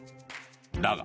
だが、